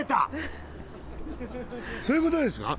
そういうことですか？